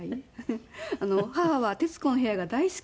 母は『徹子の部屋』が大好きで。